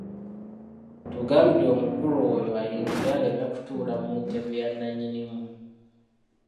Tugambire omukulu oyo ayingira aleme kutuula mu ntebe ya nnannyinimu.